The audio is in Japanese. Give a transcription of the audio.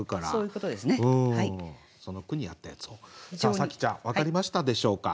紗季ちゃん分かりましたでしょうか？